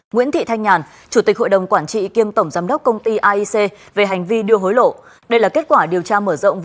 nguyễn thị thanh nhàn chủ tịch hội đồng quản trị kiêm tổng giám đốc công ty aic về hành vi đưa hối lộ